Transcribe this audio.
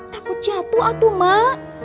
takut jatuh aku mak